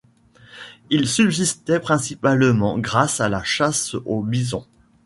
Ils subsistaient principalement grâce à la chasse au bison.